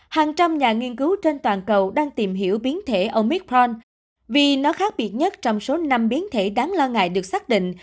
hàng trăm nhà nghiên cứu trên toàn cầu đang tìm hiểu biến thể omithon vì nó khác biệt nhất trong số năm biến thể đáng lo ngại được xác định